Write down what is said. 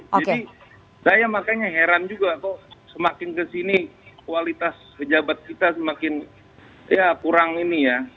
jadi saya makanya heran juga kok semakin kesini kualitas pejabat kita semakin ya kurang ini ya